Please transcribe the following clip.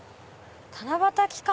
「七夕期間